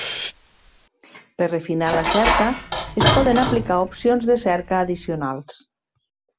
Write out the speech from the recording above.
Per refinar la cerca, es poden aplicar opcions de cerca addicionals.